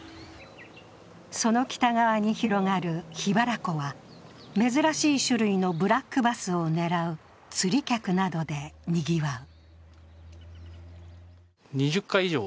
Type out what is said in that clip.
その北側に広がる桧原湖は、珍しい種類のブラックバスを狙う釣り客などでにぎわう。